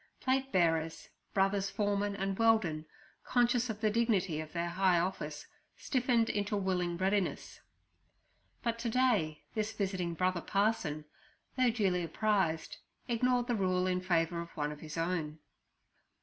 Plate bearers, Brothers Foreman and Weldon, conscious of the dignity of their high office, stiffened into willing readiness. But to day this visiting brother parson, though duly apprised, ignored the rule in favour of one of his own.